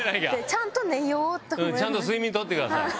ちゃんと睡眠とってください。